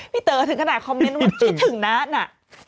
เต๋อถึงขนาดคอมเมนต์ว่าคิดถึงนะน่ะ